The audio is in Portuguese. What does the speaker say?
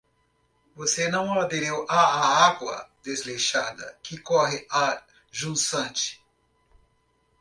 Você não aderiu à água desleixada, que corre a jusante.